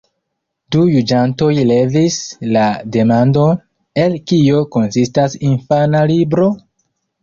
Du juĝantoj levis la demandon, el kio konsistas infana libro?